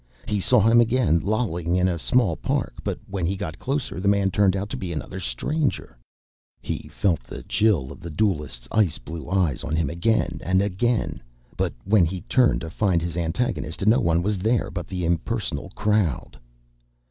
He saw him again, lolling in a small park, but when he got closer, the man turned out to be another stranger. He felt the chill of the duelist's ice blue eyes on him again and again, but when he turned to find his antagonist, no one was there but the impersonal crowd.